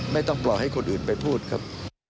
ไม่ต้องปล่อยให้คนอื่นไปพูดครับ